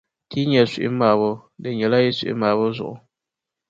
ti yi nya suhumaabo, di nyɛla yi suhumaabo zuɣu.